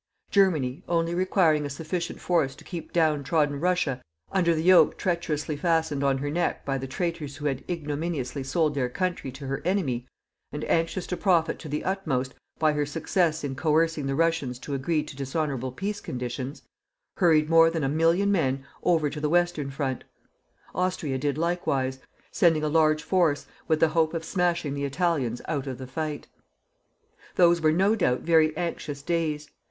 Germany, only requiring a sufficient force to keep down trodden Russia under the yoke treacherously fastened on her neck by the traitors who had ignominiously sold their country to her enemy, and anxious to profit to the utmost by her success in coercing the Russians to agree to dishonourable peace conditions, hurried more than a million men over to the western front. Austria did likewise, sending a large force with the hope of smashing the Italians out of the fight. Those were no doubt very anxious days.